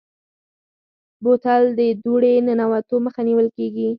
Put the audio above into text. بوتل ته د دوړې ننوتو مخه نیول کېږي.